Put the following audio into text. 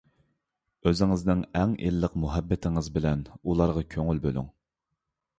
ئۆزىڭىزنىڭ ئەڭ ئىللىق مۇھەببىتىڭىز بىلەن ئۇلارغا كۆڭۈل بۆلۈڭ.